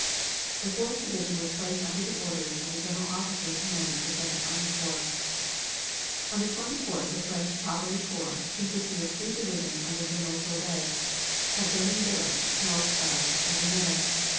"The Fourth Division was placed under the orders of the general officer commanding the Second Army Corps. "On the 24th the French Cavalry Corps, consisting of three divisions under General Sordet, had been in billets north of Avesnes.